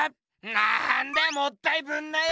なんだよもったいぶんなよ！